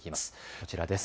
こちらです。